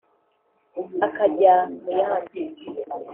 akajya muyandi